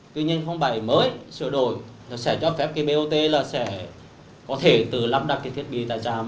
tuy nhiên bảy mới sửa đổi họ sẽ cho phép cái bot là sẽ có thể từ lắp đặt cái thiết bị tại trạm